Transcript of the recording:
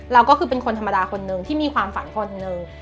เราก็คือเป็นคนธรรมดาคนนึงที่มีความฝันคนหนึ่ง